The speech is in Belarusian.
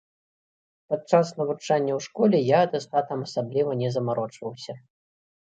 Падчас навучання ў школе я атэстатам асабліва не замарочваўся.